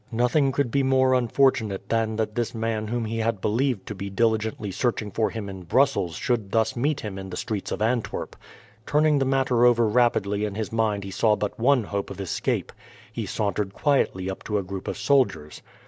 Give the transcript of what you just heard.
Nothing could be more unfortunate than that this man whom he had believed to be diligently searching for him in Brussels should thus meet him in the streets of Antwerp. Turning the matter over rapidly in his mind he saw but one hope of escape. He sauntered quietly up to a group of soldiers.